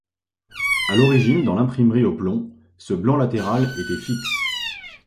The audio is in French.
À l'origine, dans l'imprimerie au plomb, ce blanc latéral était fixe.